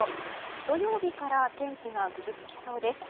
土曜日から天気がぐずつきそうです。